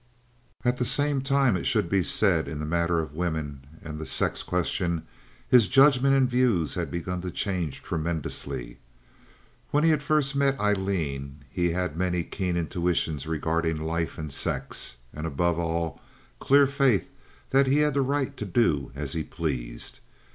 At the same time it should be said, in the matter of women and the sex question, his judgment and views had begun to change tremendously. When he had first met Aileen he had many keen intuitions regarding life and sex, and above all clear faith that he had a right to do as he pleased.